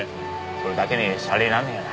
それだけに洒落になんねぇよな。